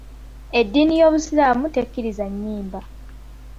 Eddiini y'obusiraamu tekkiriza nnyimba.